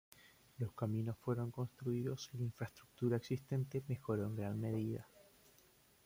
Los caminos fueron construidos y la infraestructura existente mejoró en gran medida.